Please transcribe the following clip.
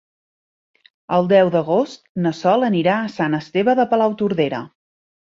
El deu d'agost na Sol anirà a Sant Esteve de Palautordera.